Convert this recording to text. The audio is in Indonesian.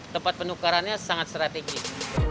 tempat penukarannya sangat strategis